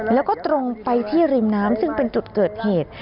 แล้วก็ตรงไปที่ริมน้ำซึ่งเป็นจุดเกิดเหตุ